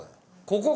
ここ？